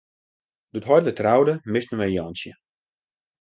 Doe't heit wer troude, misten we Jantsje.